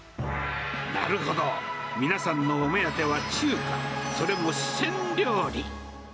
なるほど、皆さんのお目当ては中華、それも四川料理。